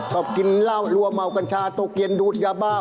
ชอบกินเหล้ารั่วเมากันช้าตกเย็นดูดยาบ้า